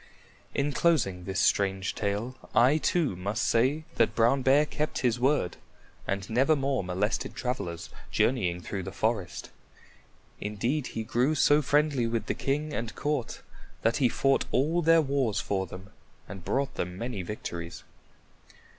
In closing this strange tale, I too must say that Brown Bear kept his word and nevermore molested travelers journeying through the forest. Indeed, he grew so friendly with the king and court that he fought all their wars for them and brought them many victories.